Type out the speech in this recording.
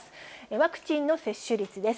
ワクチンの接種率です。